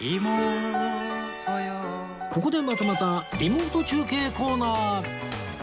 ここでまたまたリモート中継コーナー